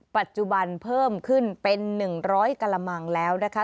ปัจจุบันเพิ่มขึ้นเป็น๑๐๐กระมังแล้วนะคะ